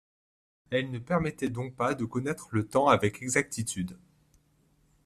Elles ne permettaient donc pas de connaitre le temps avec exactitude.